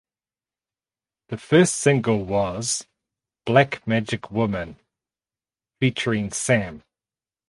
The first single was "Black Magic Woman" (featuring Sam).